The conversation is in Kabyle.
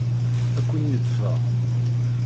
Ad ken-yeḍfer.